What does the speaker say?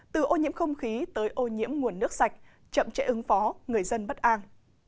từ ô nhiễm không khí tới ô nhiễm nguồn nước sạch chậm trễ ứng phó người dân bất an